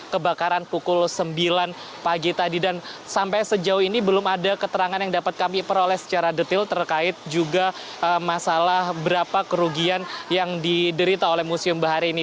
kebakaran pukul sembilan pagi tadi dan sampai sejauh ini belum ada keterangan yang dapat kami peroleh secara detil terkait juga masalah berapa kerugian yang diderita oleh museum bahari ini